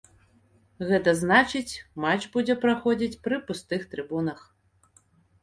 Гэта значыць, матч будзе праходзіць пры пустых трыбунах.